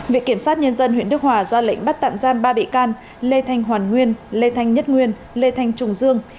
viện kiểm sát nhân dân huyện đức hòa ra lệnh bắt tạm giam ba bị can lê thanh hoàn nguyên lê thanh nhất nguyên lê thanh trùng dương